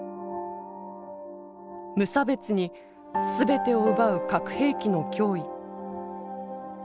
無差別に全てを奪う核兵器の脅威。